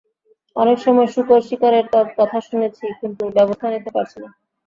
অনেক সময় শূকর শিকারের কথা শুনেছি, কিন্তু ব্যবস্থা নিতে পারছি না।